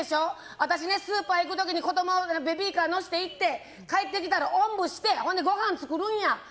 私ね、スーパー行く時に子供をベビーカーに乗せていって帰ってきたらおんぶしてごはん作るんや。